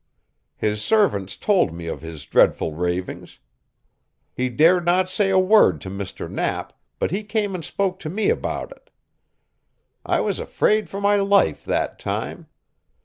His servants told me of his dreadful ravings. He dared not say a word to Mr. Knapp, but he came and spoke to me about it. I was afraid for my life that time.